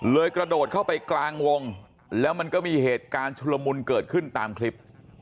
กระโดดเข้าไปกลางวงแล้วมันก็มีเหตุการณ์ชุลมุนเกิดขึ้นตามคลิป